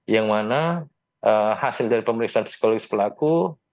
yang mana hasil dari pemeriksaan psikologis pelaku